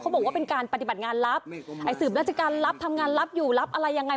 บอกว่าเป็นการปฏิบัติงานรับสืบราชการรับทำงานรับอยู่รับอะไรยังไง